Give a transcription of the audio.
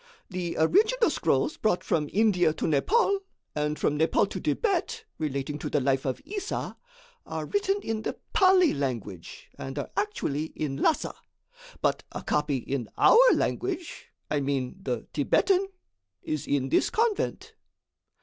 "The original scrolls brought from India to Nepaul, and from Nepaul to Thibet, relating to the life of Issa, are written in the Pali language and are actually in Lhassa; but a copy in our language I mean the Thibetan is in this convent."